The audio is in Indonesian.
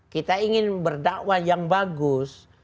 kita ingin berdakwah yang bagus